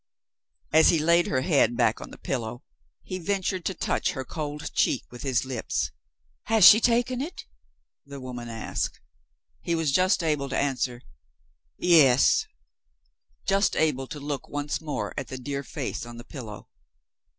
As he laid her head back on the pillows, he ventured to touch her cold cheek with his lips. "Has she taken it?" the woman asked. He was just able to answer "Yes" just able to look once more at the dear face on the pillow.